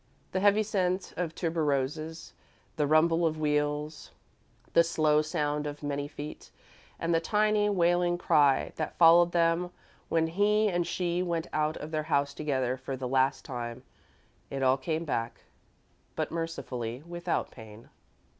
The heavy scent of tuberoses, the rumble of wheels, the slow sound of many feet, and the tiny, wailing cry that followed them when he and she went out of their house together for the last time it all came back, but, mercifully, without pain.